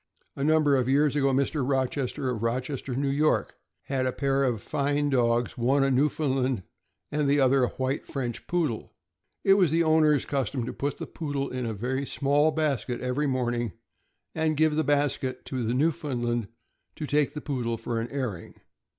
A number of years ago, Mr. Rochester, of Rochester, THE NEWFOUNDLAND. 597 N. Y., had a pair of tine dogs, one a Newfoundland and the other a white French Poodle. It was the owner's custom to put the Poodle in a small basket every morning, and give the basket to the Newfoundland to take the Poodle for an airing.